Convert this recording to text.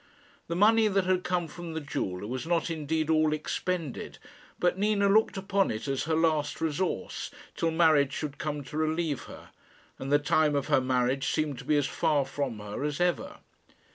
The money that had come from the jeweller was not indeed all expended, but Nina looked upon it as her last resource, till marriage should come to relieve her; and the time of her marriage seemed to be as far from her as ever.